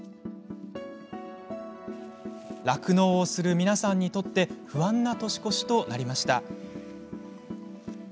酪農をする皆さんにとって不安な年越しとなりました。